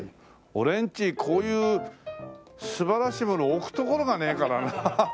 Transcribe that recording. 俺んちこういう素晴らしいものを置く所がねえからな。